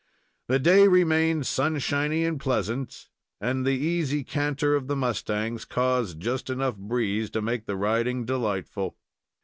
The day remained sunshiny and pleasant, and the easy canter of the mustangs caused just enough breeze to make the riding delightful.